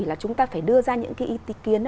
là chúng ta phải đưa ra những ý kiến